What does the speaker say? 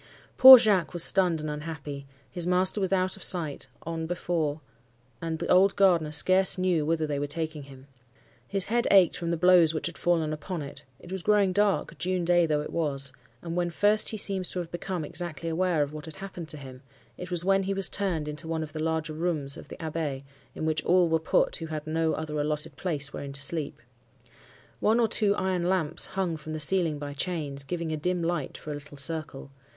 Poor Jacques was stunned and unhappy,—his master was out of sight, on before; and the old gardener scarce knew whither they were taking him. His head ached from the blows which had fallen upon it; it was growing dark—June day though it was,—and when first he seems to have become exactly aware of what had happened to him, it was when he was turned into one of the larger rooms of the Abbaye, in which all were put who had no other allotted place wherein to sleep. One or two iron lamps hung from the ceiling by chains, giving a dim light for a little circle.